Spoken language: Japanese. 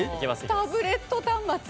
タブレット端末。